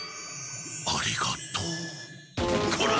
ありがとう。こら！